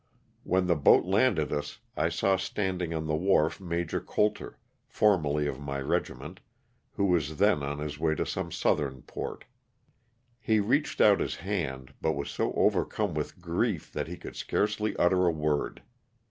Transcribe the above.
When the boat landed us, I saw standing on the wharf Major Coulter, formerly of my regiment, who was then on his way to some southern port. He reached out his hand, but was so overcouie with grief that he could scarcely utter a word.